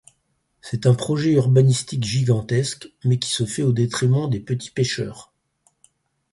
C’est un projet urbanistique gigantesque, mais qui se fait au détriment des petits pêcheurs.